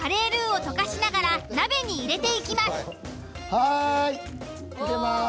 はい入れます。